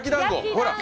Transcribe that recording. ほら。